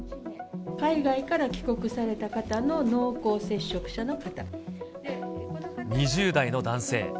海外から帰国された方の濃厚２０代の男性。